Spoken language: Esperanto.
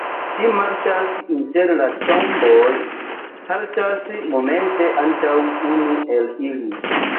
Ŝi marŝas inter la tomboj, haltas momente antaŭ unu el ili.